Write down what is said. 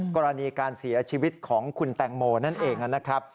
กรณีการเสียชีวิตของคุณแตงโมนั่นเองนะครับ